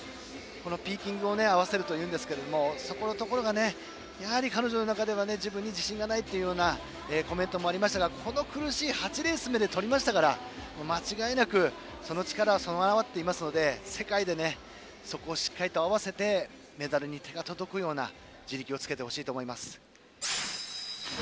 ピーキングを合わせるというんですがそこのところが彼女の中では自分に自信がないというようなコメントもありましたがこの苦しい８レース目でとりましたから間違いなくその力は備わっていますので世界でそこをしっかりと合わせてメダルに手が届くような地力をつけてほしいと思います。